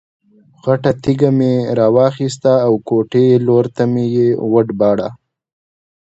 غټه تیږه مې را واخیسته او کوټې لور ته مې یې وډباړه.